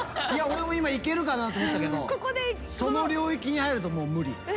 俺も今いけるかなと思ったけどその領域に入るともう無理。